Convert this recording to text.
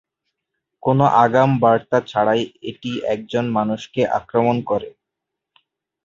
কোনো আগাম বার্তা ছাড়াই এটি একজন মানুষকে আক্রমণ করে।